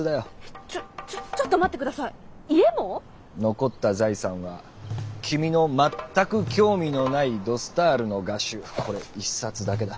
残った財産は君のまったく興味のないド・スタールの画集これ一冊だけだ。